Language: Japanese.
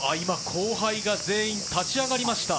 後輩が全員立ち上がりました。